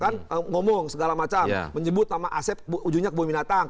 ngomong segala macam menyebut nama asep ujungnya kebun minatang